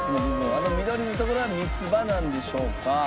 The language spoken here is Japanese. あの緑の所は三つ葉なんでしょうか。